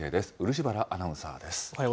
漆原アナウンサーです。